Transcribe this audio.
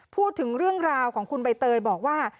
พูดถึงเรื่องราวของคุณใบเตยบอกว่า